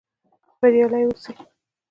بریالي اوسئ؟